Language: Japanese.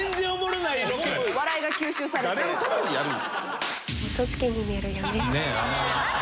誰のためにやるん？